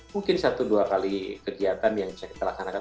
mungkin satu dua kali kegiatan yang bisa kita laksanakan